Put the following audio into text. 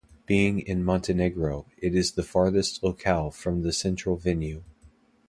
Being in Montenegro, it is the farthest locale from the central venue.